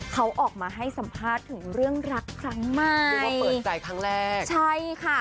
เขาออกมาให้สัมภาษณ์ถึงเรื่องรักครั้งมากเรียกว่าเปิดใจครั้งแรกใช่ค่ะ